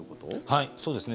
はい、そうですね。